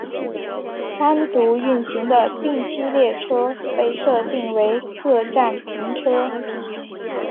单独运行的定期列车被设定为各站停车。